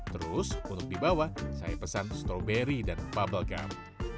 terus untuk di bawah saya pesan stroberi dan bubble gump